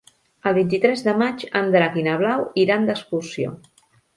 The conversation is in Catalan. El vint-i-tres de maig en Drac i na Blau iran d'excursió.